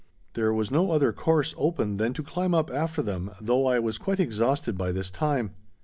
There was no other course open than to climb up after them, though I was quite exhausted by this time.